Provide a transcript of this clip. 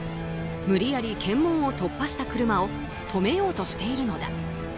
無理やり検問を突破した車を止めようとしているのだ。